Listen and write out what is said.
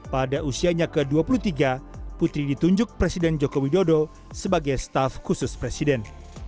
pada usianya ke dua puluh tiga putri ditunjuk presiden joko widodo sebagai staff khusus presiden